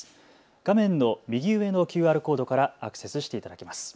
画面の右上のＱＲコードからアクセスしていただけます。